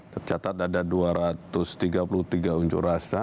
tercatat ada dua ratus tiga puluh tiga unjuk rasa